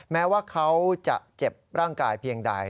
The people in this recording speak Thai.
แม้ว่าเขาจะเจ็บร่างกายเพียงใด